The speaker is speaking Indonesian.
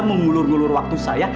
mengulur ulur waktu saya